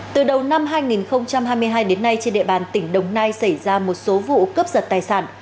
từ đầu năm hai nghìn hai mươi hai đến nay trên địa bàn tỉnh đồng nai xảy ra một số vụ cướp giật tài sản